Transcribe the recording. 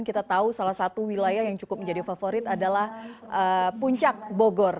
kita tahu salah satu wilayah yang cukup menjadi favorit adalah puncak bogor